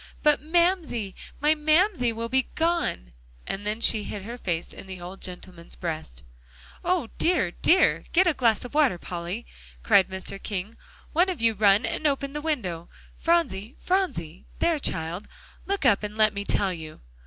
"But Mamsie, my Mamsie will be gone!" and then she hid her face in the old gentleman's breast. "O dear, dear! get a glass of water, Polly," cried Mr. King. "One of you run and open the window. Phronsie, Phronsie there, child, look up and let me tell you."